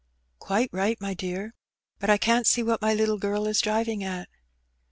"Quite right, my dear; bnt I can't see wbat my little girl ia driving at."